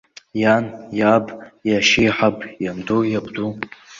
Иан, иаб, иашьеиҳаб, ианду, иабду.